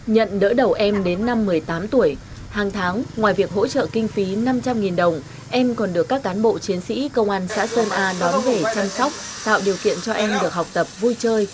nhận đỡ đầu em đến năm một mươi tám tuổi hàng tháng ngoài việc hỗ trợ kinh phí năm trăm linh đồng em còn được các cán bộ chiến sĩ công an xã sơn a đón về chăm sóc tạo điều kiện cho em được học tập vui chơi